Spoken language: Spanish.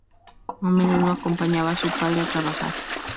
A menudo acompañaba a su padre a trabajar.